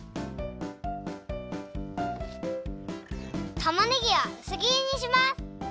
たまねぎはうすぎりにします。